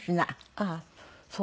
ああそう。